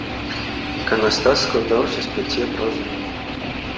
Іканастас складаўся з пяці абразоў.